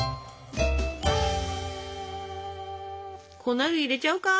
粉類入れちゃうか？